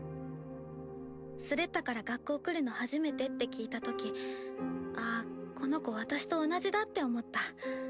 スレッタから「学校来るの初めて」って聞いたとき「ああこの子私と同じだ」って思った。